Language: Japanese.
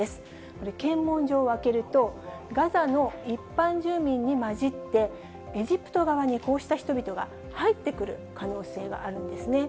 これ、検問所を開けると、ガザの一般住民に交じって、エジプト側にこうした人々が入ってくる可能性があるんですね。